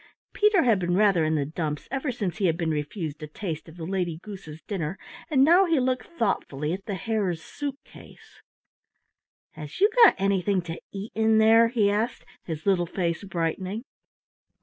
Peter had been rather in the dumps ever since he had been refused a taste of the Lady Goose's dinner, and now he looked thoughtfully at the Hare's suit case. "Has you got anything to eat in there?" he asked, his little face brightening.